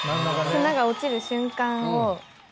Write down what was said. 砂が落ちる瞬間を。